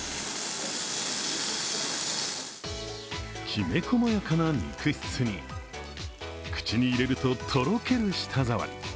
きめこまやかな肉質に口に入れるととろける舌触り。